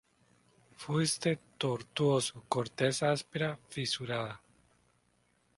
Fuste tortuoso; corteza áspera, fisurada.